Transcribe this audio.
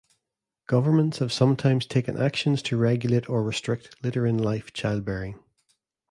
Governments have sometimes taken actions to regulate or restrict later-in-life childbearing.